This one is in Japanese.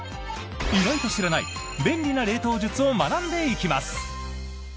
意外と知らない便利な冷凍術を学んでいきます！